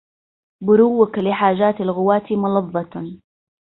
بروك لحاجات الغواة ملظة